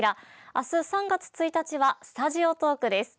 明日３月１日はスタジオトークです。